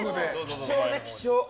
貴重ね、貴重。